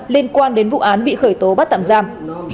liên quan đến vụ án bị khởi tố bắt tạm giam